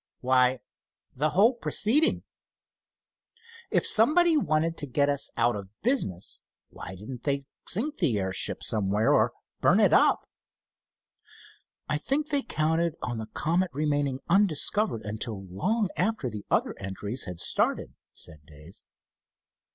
"Why, the whole proceeding. If somebody wanted to put us out of business, why didn't they sink the airship somewhere or burn it up?" "I think they counted on the Comet remaining undiscovered until long after the other entries had started," said Dave.